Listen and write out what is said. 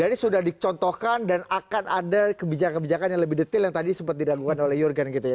jadi sudah dicontohkan dan akan ada kebijakan kebijakan yang lebih detail yang tadi sempat didagukan oleh jurgen gitu ya